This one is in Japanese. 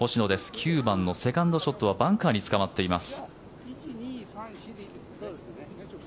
９番のセカンドショットはバンカーにつかまっています。